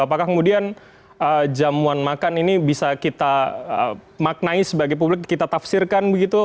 apakah kemudian jamuan makan ini bisa kita maknai sebagai publik kita tafsirkan begitu